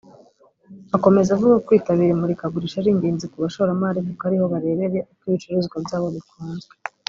Akomeza avuga ko kwitabira imurikagurisha ari ingenzi ku bashoramari kuko ari ho barebera uko ibicuruzwa byabo bikunzwe